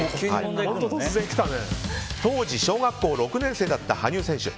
当時、小学校６年生だった羽生選手。